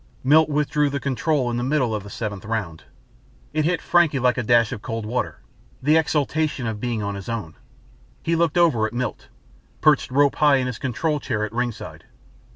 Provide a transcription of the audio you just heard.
Milt withdrew the control in the middle of the seventh round. It hit Frankie like a dash of cold water, the exultation of being on his own! He looked over at Milt, perched rope high in his control chair at ringside.